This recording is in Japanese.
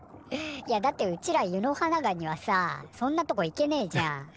いやだってうちらユノハナガニはさそんなとこ行けねえじゃん。